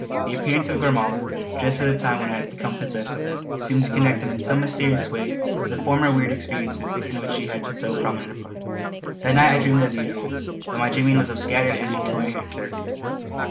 The appearance of Gormala just at the time when I had become possessed of them seemed to connect them in some mysterious way with the former weird experiences in which she had so prominent a part. That night I dreamed as usual, though my dreaming was of a scattered and incoherent character.